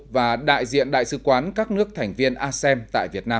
và đại diện đại sứ quán các nước thành viên a sem tại việt nam